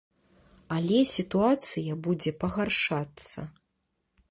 Але сітуацыя будзе пагаршацца.